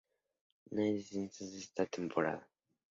No hay descensos esta temporada.